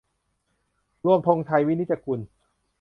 รวม ธงชัย วินิจจะกูล